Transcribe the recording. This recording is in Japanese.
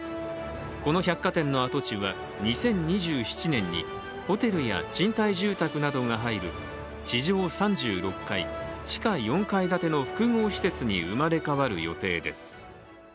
この百貨店の跡地は、２０２７年にホテルや賃貸住宅などが入る地上３６階、地下４階建ての複合施設に生まれ変わる予定です。